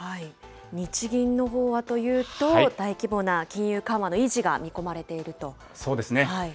日銀のほうはというと、大規模な金融緩和の維持が見込まれてそうですね。